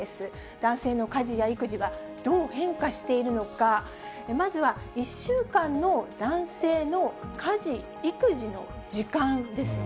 男性の家事や育児はどう変化しているのか、まずは１週間の男性の家事・育児の時間ですね。